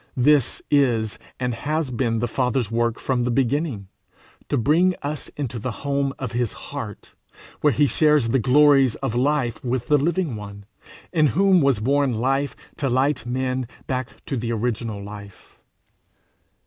This is and has been the Father's work from the beginning to bring us into the home of his heart, where he shares the glories of life with the Living One, in whom was born life to light men back to the original life.